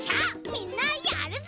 みんなやるぞ！